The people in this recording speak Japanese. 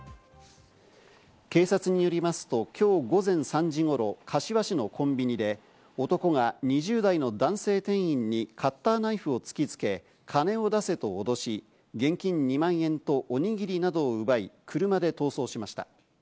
警察によりますと、きょう午前３時ごろ、柏市のコンビニで男が２０代の男性店員にカッターナイフを突きつけ、金を出せと脅し、現金２万円とおにぎりなどを奪い、車で逃走しました。